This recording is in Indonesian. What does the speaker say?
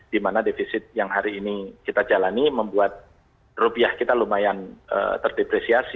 dimana defisit yang hari ini kita jalani membuat rupiah kita lumayan terdepresiasi